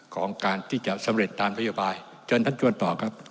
ของการที่จะสำเร็จตามนโยบายเชิญท่านชวนต่อครับ